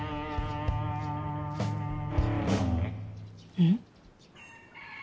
うん？